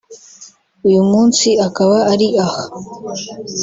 uyu munsi akaba ari aha